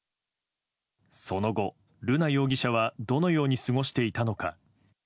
その後、瑠奈容疑者はどのように過ごしていたのか。